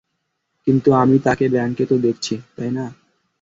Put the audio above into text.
কিন্তু আমি তাকে ব্যাংকে তো দেখছি, তাই না?